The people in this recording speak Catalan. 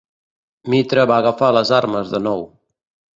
Mitre va agafar les armes de nou.